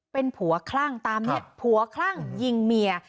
เป็นผัวคลั่งตามนี้ผัวคลั่งยิงเมีย